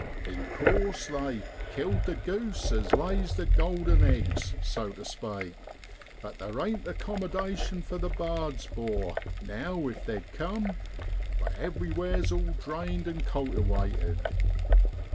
In course they ' killed the goose as lays the golden eggs,' so tu spake; but there ain't the 'commadation for the bards, 'bor, now if they'd cum, for everywhere's all drained an' cultiwated.